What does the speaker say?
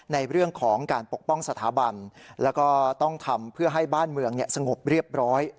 ในเรื่องของการปกป้องสถาบันแล้วก็ต้องทำเพื่อให้บ้านเมืองสงบเรียบร้อย